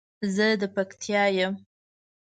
زه د پکتیا یم